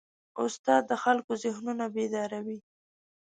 استاد د خلکو ذهنونه بیداروي.